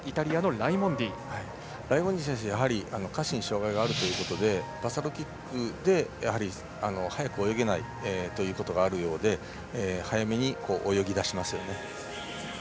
ライモンディ選手はやはり下肢に障がいがあるということでバサロキックで速く泳げないということがあるようで早めに泳ぎだしますよね。